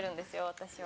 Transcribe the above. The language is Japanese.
私は。